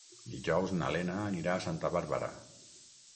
Dijous na Lena anirà a Santa Bàrbara.